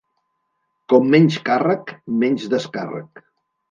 Com menys càrrec menys descàrrec.